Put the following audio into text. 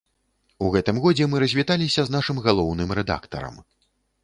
У гэтым годзе мы развіталіся з нашым галоўным рэдактарам.